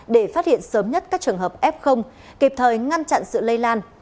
để phát hiện sớm nhất các trường hợp f kịp thời ngăn chặn sự lây lan